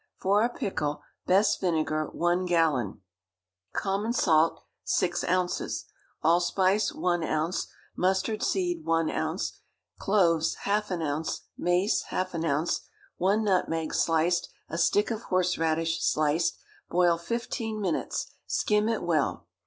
For a pickle, best vinegar, one gallon; common salt, six ounces; allspice, one ounce; mustard seed, one ounce; cloves, half an ounce; mace, half an ounce; one nutmeg, sliced; a stick of horseradish, sliced; boil fifteen minutes; skim it well.